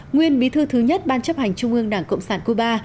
nguyên bí thư thứ nhất ban chấp hành trung ương đảng cộng sản cuba